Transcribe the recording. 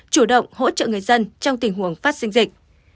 chủ động hỗ trợ người dân trong tình huống phát sinh dịch